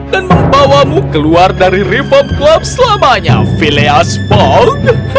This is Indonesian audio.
dan membawamu keluar dari reformed club selamanya filius fogg